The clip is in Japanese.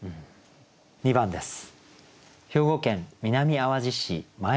２番です。